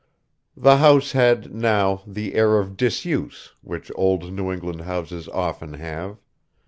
The house had, now, the air of disuse which old New England houses often have.